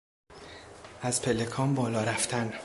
از پلکان بالا رفتن